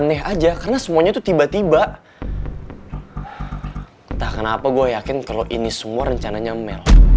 entah kenapa gue yakin kalo ini semua rencananya mel